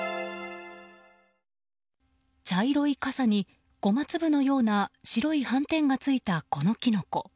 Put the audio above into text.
茶色いかさにゴマ粒のような白い斑点がついたこのキノコ。